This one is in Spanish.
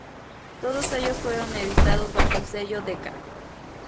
Todos ellos fueron editados bajo el sello Decca.